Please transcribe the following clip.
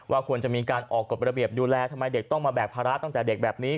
ควรจะมีการออกกฎระเบียบดูแลทำไมเด็กต้องมาแบกภาระตั้งแต่เด็กแบบนี้